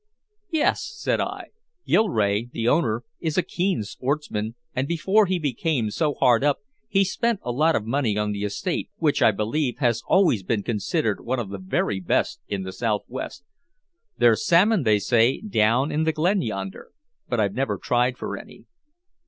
"Yes," I said. "Gilrae, the owner, is a keen sportsman, and before he became so hard up he spent a lot of money on the estate, which, I believe, has always been considered one of the very best in the southwest. There's salmon, they say, down in the Glen yonder but I've never tried for any."